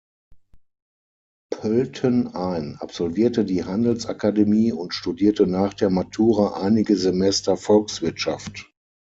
Pölten ein, absolvierte die Handelsakademie und studierte nach der Matura einige Semester Volkswirtschaft.